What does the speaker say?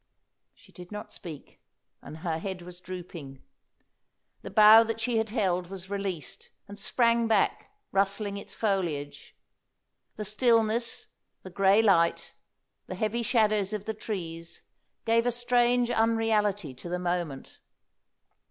She did not speak, and her head was drooping. The bough that she had held was released, and sprang back, rustling its foliage. The stillness, the grey light, the heavy shadows of the trees, gave a strange unreality to the moment.